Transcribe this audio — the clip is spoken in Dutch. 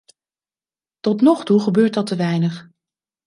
Tot nog toe gebeurt dat te weinig.